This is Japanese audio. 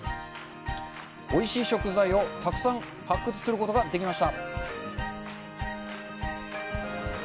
おいしい食材をたくさん発掘することができました。